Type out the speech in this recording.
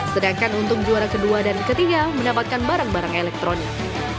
sedangkan untuk juara kedua dan ketiga mendapatkan barang barang elektronik